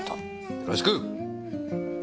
よろしく。